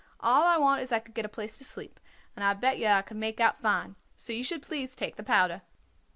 All I want is I could get a place to sleep, and I bet yer I could make out fine. So you should please take the powder."